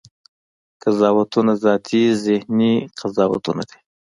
قضاوتونه ذاتي ذهني قضاوتونه دي.